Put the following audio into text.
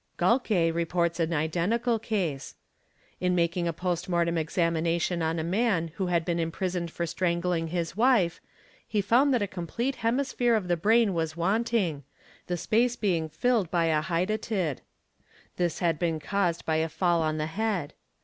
Gaulke ® reports an identical case. In making a post mortem examination on a man who had been imprisoned for strangling his wife, he found that a complete hemisphere of the brain was wanting, the space being filled by a hydatid. AN SAMO AMR ed A RA | This had been caused by a fall on the head.